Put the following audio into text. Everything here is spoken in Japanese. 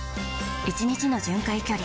１日の巡回距離